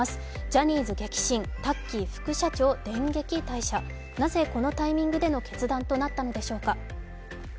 ジャニーズ激震、タッキー副社長電撃退社、なぜこのタイミングでの決断となったのでしょうか。